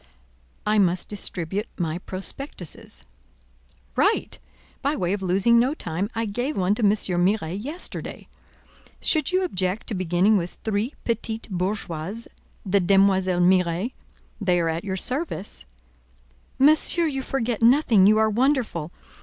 "I must distribute my prospectuses." "Right! By way of losing no time, I gave one to M. Miret yesterday. Should you object to beginning with three petite bourgeoises, the Demoiselles Miret? They are at your service." "Monsieur, you forget nothing; you are wonderful.